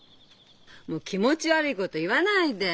もう気持ち悪いこと言わないで。